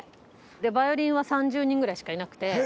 でヴァイオリンは３０人ぐらいしかいなくて。